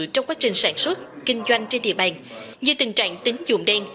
trong quá trình sản xuất kinh doanh trên địa bàn như tình trạng tính dụng đen